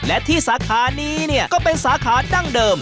และที่สาขานี้เนี่ยก็เป็นสาขาดั้งเดิม